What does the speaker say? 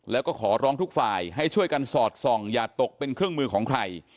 แล้วก็ขอร้องทุกฝ่ายให้ช่วยกันสอดส่องอย่าตกเป็นเครื่องมือของใคร